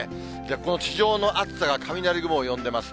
この地上の暑さが雷雲を呼んでます。